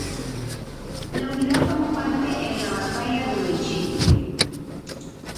La unidad tomó parte en la batalla de Belchite.